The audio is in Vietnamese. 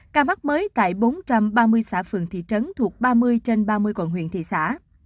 ca mắc mới tại bốn trăm ba mươi xã phường thị trấn thuộc ba mươi trên ba mươi quận huyện thị xã